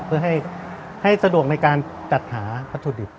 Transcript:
เพื่อให้สะดวกในการจัดหาวัตถุดิบ